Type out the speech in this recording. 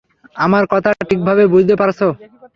আমার কথা ঠিকভাবে বুঝতে পারছ?